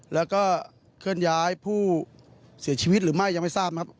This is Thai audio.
แล้วก็เคลื่อนย้ายผู้เสียชีวิตหรือไม่ยังไม่ทราบนะครับ